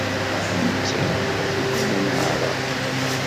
Nettat tuggad ad neɛreq.